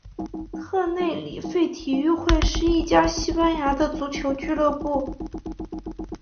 特内里费体育会是一家西班牙的足球俱乐部。